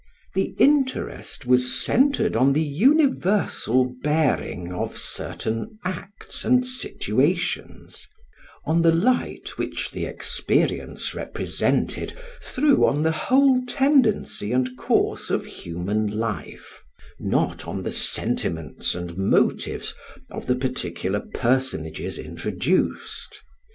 The interest was centred on the universal bearing of certain acts and situations, on the light which the experience represented threw on the whole tendency and course of human life, not on the sentiments and motives of the particular personages introduced.